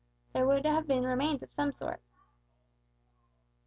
There would have been remains of some sort."